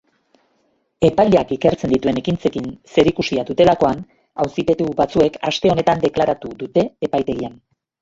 Epaileak ikertzen dituen ekintzekin zerikusia dutelakoan auzipetu batzuek aste honetan deklaratu dute epaitegian.